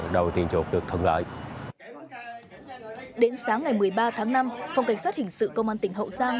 đến sáng ngày một mươi ba tháng năm phòng cảnh sát hình sự công an tỉnh hậu giang